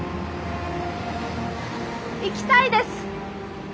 行きたいです！